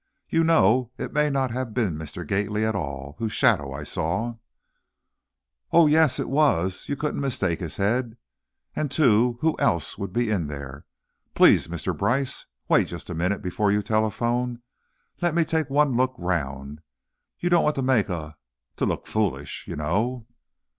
You know it may not have been Mr. Gately at all, whose shadow I saw " "Ooh, yes, it was! You couldn't mistake his head, and, too, who else would be in there? Please, Mr. Brice, wait just a minute before you telephone, let me take one look round, you don't want to make a to look foolish, you know."